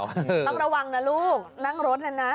ต้องระวังนะลูกนั่งรถนะนะ